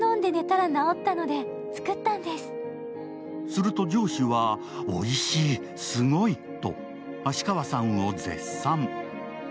すると上司は、おいしい、すごいと芦川さんを絶賛。